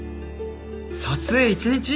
「撮影一日？」